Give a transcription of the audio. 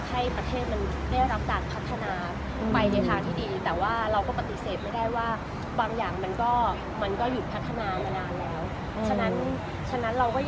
หนิงว่าสัก๘๕เปอร์เซ็นต์แล้วค่ะสัก๘๕เปอร์เซ็นต์แล้ว